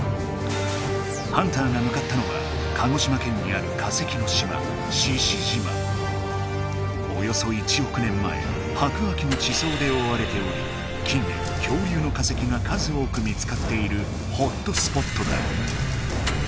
ハンターがむかったのは鹿児島県にあるおよそ１おく年前白亜紀のちそうでおおわれており近年恐竜の化石が数多く見つかっているホットスポットだ。